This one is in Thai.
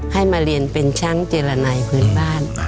ให้มาเรียนเป็นช่างเจรนัยพื้นบ้าน